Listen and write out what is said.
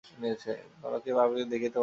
নরকেই পাপীদের দেখিতে পাওয়া যায়।